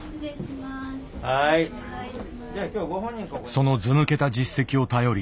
そのずぬけた実績を頼り